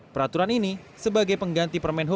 peraturan ini sebagai pengganti perhubungan